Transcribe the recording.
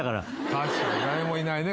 確かに誰もいないね